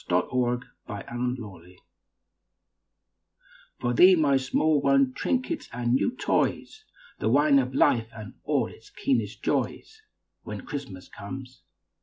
WHEN CHRISTMAS COMES For thee, my small one trinkets and new toys, The wine of life and all its keenest joys, When Christmas comes.